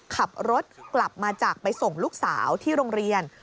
ขับรถกลับมาจากไปส่งลูกสาวที่โรงเรียน